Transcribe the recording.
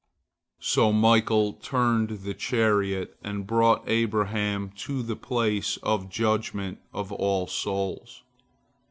So Michael turned the chariot, and brought Abraham to the place of judgment of all souls.